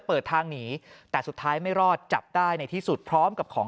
เปิดทางหนีแต่สุดท้ายไม่รอดจับได้ในที่สุดพร้อมกับของ